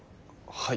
はい